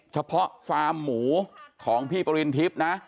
ฟาร์มหมูของพี่ปริณทิพย์นะ